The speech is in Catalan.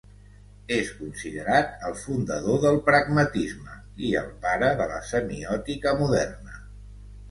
És considerat el fundador del pragmatisme i el pare de la semiòtica moderna.